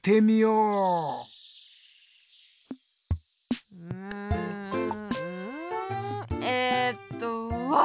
うんえっとわ！